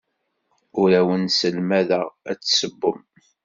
Ur awen-sselmadeɣ ad tessewwem.